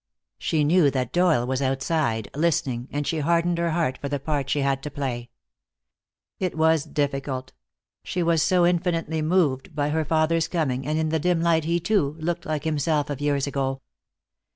She knew that Doyle was outside, listening, and she hardened her heart for the part she had to play. It was difficult; she was so infinitely moved by her father's coming, and in the dim light he, too, looked like himself of years ago.